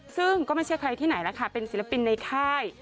ซึ่งก็ไม่ใช่ใครที่ไหนแล้วค่ะเป็นศิลปินในค่าย